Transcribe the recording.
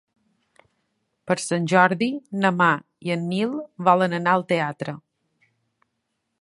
Per Sant Jordi na Mar i en Nil volen anar al teatre.